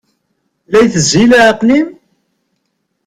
La itezzi leɛqel-im?